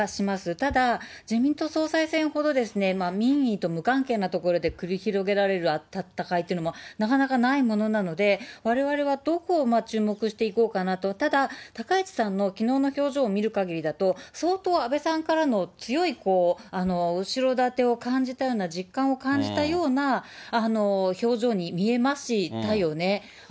ただ、自民党総裁選ほど民意と無関係なところで繰り広げられる戦いというのもなかなかないものなので、われわれはどこを注目していこうかなと、ただ、高市さんのきのうの表情を見るかぎりだと、相当安倍さんからの強い後ろ盾を感じたような、実感を感じたような、表情に見えましたよね。